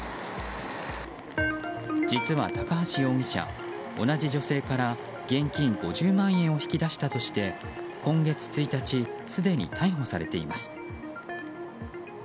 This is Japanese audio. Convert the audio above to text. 実は高橋容疑者、同じ女性から現金５０万円を引き出したとして今月１日すでに逮捕されています。